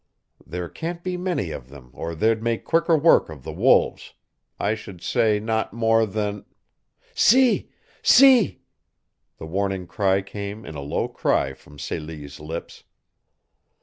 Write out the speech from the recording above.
There can't be many of them or they'd make quicker work of the wolves. I should say not more than " "Se! Se!" The warning came in a low cry from Celie's lips.